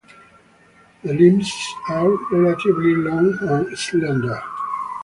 The limbs are relatively long and slender.